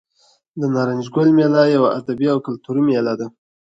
د نارنج ګل میله یوه ادبي او کلتوري میله ده.